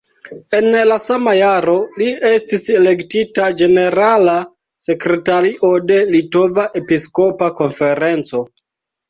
En la sama jaro li estis elektita ĝenerala sekretario de Litova Episkopa Konferenco.